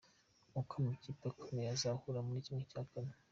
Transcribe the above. Uko amakipe yakomeje azahura muri ¼.